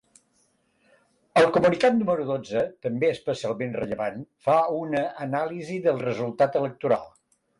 El comunicat número dotze, també especialment rellevant, fa una anàlisi del resultat electoral.